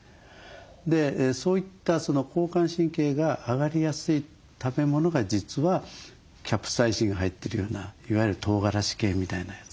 そういった交感神経が上がりやすい食べ物が実はキャプサイシンが入ってるようないわゆるトウガラシ系みたいなやつなんですね。